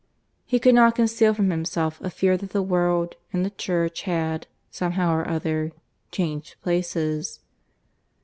He could not conceal from himself a fear that the world and the Church had, somehow or other, changed places.